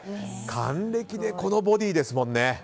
還暦でこのボディーですもんね。